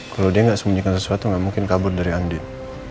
kalau dia nggak sembunyikan sesuatu nggak mungkin kabur dari andin